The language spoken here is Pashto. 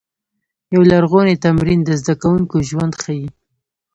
یو لرغونی تمرین د زده کوونکو ژوند ښيي.